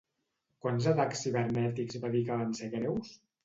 Quants atacs cibernètics va dir que van ser greus?